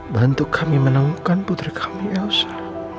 bantu kami menemukan putri kami elsa